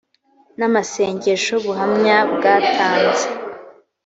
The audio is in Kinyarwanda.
n amasengesho ubuhamya bwatanzwe